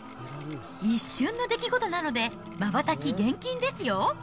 一瞬の出来事なので、まばたき厳禁ですよ。